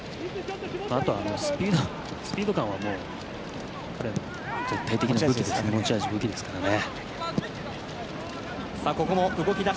あとは、スピード感は彼の絶対的な武器ですからね。